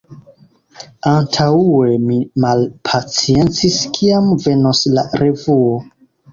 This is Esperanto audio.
Antaŭe mi malpaciencis kiam venos la revuo.